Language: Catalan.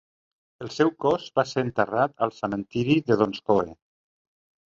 El seu cos va ser enterrat al cementiri de Donskoe.